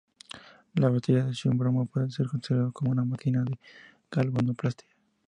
La batería de zinc-bromo puede ser considerado como una máquina de galvanoplastia.